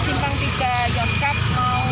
sampai disimpang tiga jostkap